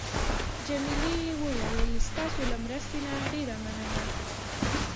جميلې وويل: ستاسو له مرستې نه ډېره مننه.